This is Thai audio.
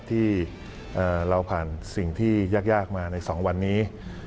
ที่เราผ่านสิ่งที่ยากมาใน๒วันนี้